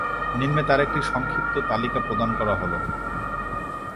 নিম্নে তার একটি সংক্ষিপ্ত তালিকা প্রদান করা হলো।